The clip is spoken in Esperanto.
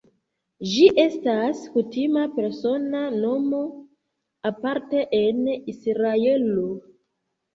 Ĝi estas kutima persona nomo aparte en Israelo.